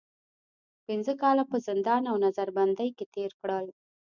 پنځه کاله په زندان او نظر بندۍ کې تېر کړل.